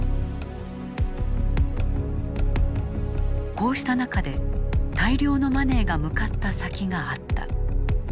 こうした中で、大量のマネーが向かった先があった。